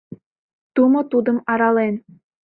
Тумо тудым арален.